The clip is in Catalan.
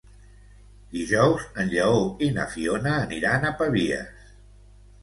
Dijous en Lleó i na Fiona aniran a Pavies.